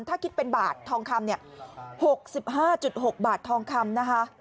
ถ้าคิดเป็นบาททองคำเนี่ย๖๕๖บาททองคำนะคะ